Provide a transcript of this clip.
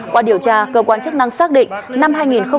qua điều tra cơ quan chức năng xác định năm hai nghìn bảy